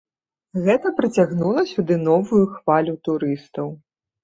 Гэта прыцягнула сюды новую хвалю турыстаў.